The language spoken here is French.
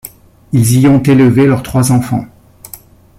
Ils y ont élevé leurs trois enfants.